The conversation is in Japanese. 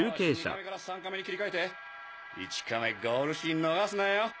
カメから３カメに切り替えて１カメゴールシーン逃すなよ！